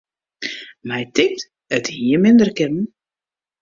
My tinkt, it hie minder kinnen.